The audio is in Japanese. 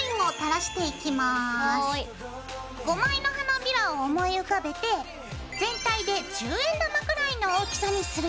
５枚の花びらを思い浮かべて全体で十円玉くらいの大きさにするよ。